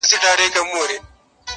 o خر هغه خر دئ، خو توبره ئې نوې سوې ده.